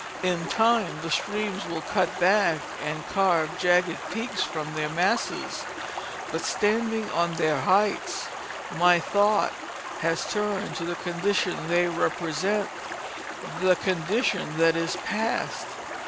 In time the streams will cut back and carve jagged peaks from their masses, but standing on their heights my thought has turned to the condition they represent — the condition that is past.